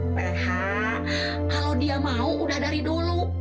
ph kalau dia mau udah dari dulu